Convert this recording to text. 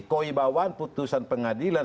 koi bawaan putusan pengadilan